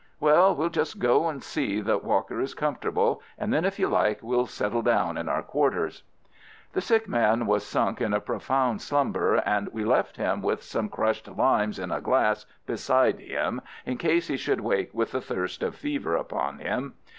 Well, we'll just go and see that Walker is comfortable, and then if you like we'll settle down in our quarters." The sick man was sunk in a profound slumber, and we left him with some crushed limes in a glass beside him in case he should awake with the thirst of fever upon him.